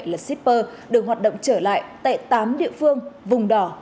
là shipper được hoạt động trở lại tại tám địa phương vùng đỏ